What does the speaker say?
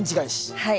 はい。